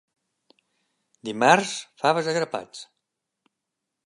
Dimarts, faves a grapats.